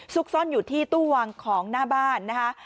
ซ่อนอยู่ที่ตู้วางของหน้าบ้านนะคะ